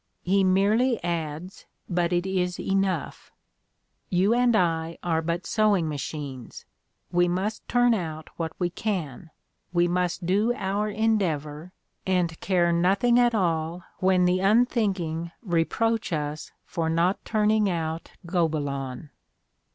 He merely adds, but it is enough: "You and I are but sewing machines. We must turn out what we can; we must do our endeavor and care nothing at all when the unthinking reproach us for not turning out Gobelins."